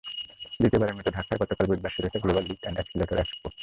দ্বিতীয়বারের মতো ঢাকায় গতকাল বুধবার শুরু হয়েছে global lift and escalator expo.